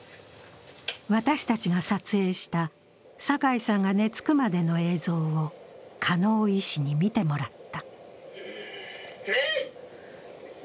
私たちが撮影した酒井さんが寝つくまでの映像を金生医師に見てもらった。